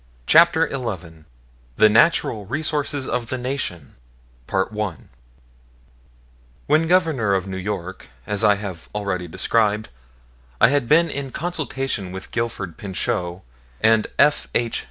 CHAPTER XI THE NATURAL RESOURCES OF THE NATION When Governor of New York, as I have already described, I had been in consultation with Gifford Pinchot and F. H.